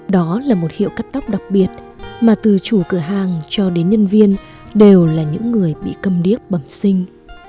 đó là một hiệu cắt tóc đặc biệt mà từ chủ cửa hàng cho đến nhân viên đều là những người bị cầm điếc bẩm sinh